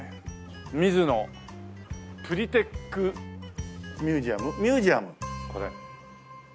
ミズノ・プリテックミュージアムミュージアムこれ。